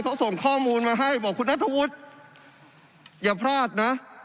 เขาส่งข้อมูลมาให้บอกคุณนัทธวุฒิอย่าพลาดนะ